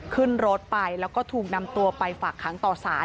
ขึ้นรถไปแล้วก็ถูกนำตัวไปฝากค้างต่อสาร